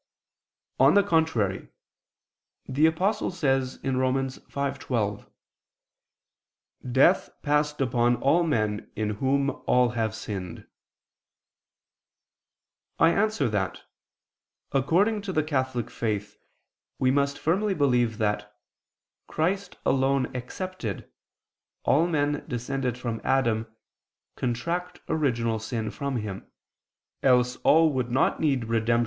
On the contrary, The Apostle says (Rom. 5:12): "Death passed upon all men in whom all have sinned." I answer that, According to the Catholic Faith we must firmly believe that, Christ alone excepted, all men descended from Adam contract original sin from him; else all would not need redemption [*Cf.